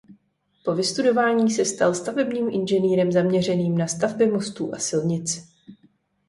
Po vystudování se stal stavebním inženýrem zaměřeným na stavby mostů a silnic.